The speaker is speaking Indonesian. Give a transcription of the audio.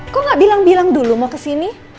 kok nggak bilang bilang dulu mau ke sini